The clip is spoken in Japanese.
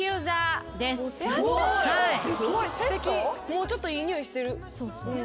もうちょっといい匂いしてる。